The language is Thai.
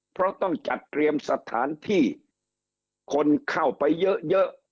เพราะต้องจัดเตรียมสถานที่คนเข้าไปเยอะ